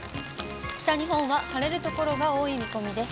北日本は晴れる所が多い見込みです。